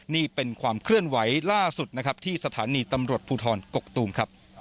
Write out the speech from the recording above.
นี่เป็นความเคลื่อนไหวล่าสุดนะครับที่สถานีตำรวจภูทรกกตูมครับ